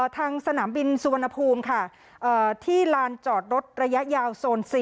ทางสนามบินสุวรรณภูมิค่ะที่ลานจอดรถระยะยาวโซน๔